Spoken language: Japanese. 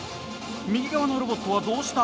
右側のロボットはどうした？